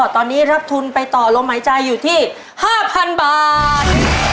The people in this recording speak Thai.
ตอนนี้รับทุนไปต่อลมหายใจอยู่ที่๕๐๐๐บาท